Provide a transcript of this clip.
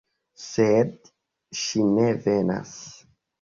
Sed ŝi ne venas.